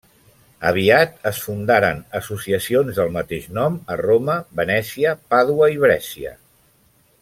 Aviat es fundaren associacions del mateix nom a Roma, Venècia, Pàdua i Brescia.